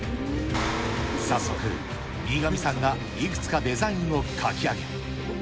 早速、新上さんがいくつかデザインを描き上げ。